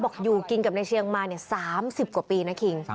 อยู่กินกับนายเชียงมา๓๐กว่าปีนะคิง